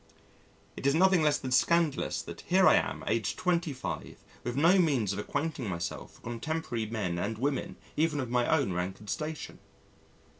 It is nothing less than scandalous that here I am aged 25 with no means of acquainting myself with contemporary men and women even of my own rank and station.